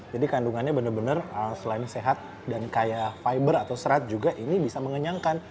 jadi kandungannya benar benar selain sehat dan kaya fiber atau serat juga ini bisa mengenyangkan